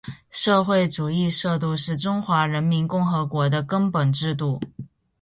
社会主义制度是中华人民共和国的根本制度